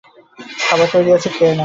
খাবার তৈরি আছে খেয়ে যাও।